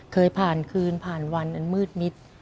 เคยผ่านคืนผ่านวันอันมืดมิด